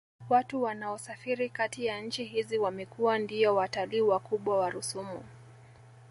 Watu wanaosafiri Kati ya nchi hizi wamekuwa ndiyo watalii wakubwa wa rusumo